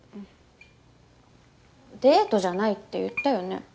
デートじゃないって言ったよね。